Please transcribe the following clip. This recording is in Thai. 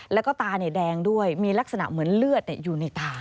แล้วก็ตาแดงด้วยมีลักษณะเหมือนเลือดอยู่ในตา